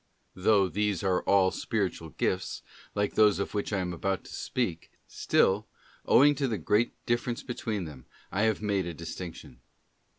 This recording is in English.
'f Though these are all spiritual gifts, like those of which I am about to speak, still, owing to the great difference between them, I have made a distinction.